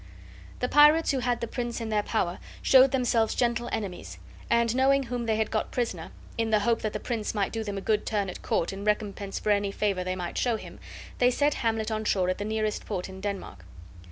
The pirates who had the prince in their power showed themselves gentle enemies, and, knowing whom they had got prisoner, in the hope that the prince might do them a good turn at court in recompense for any favor they might show him, they set Hamlet on shore at the nearest port in Denmark.